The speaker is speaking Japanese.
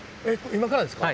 今からですか？